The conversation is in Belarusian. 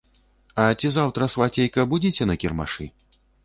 А ці заўтра, свацейка, будзеце на кірмашы?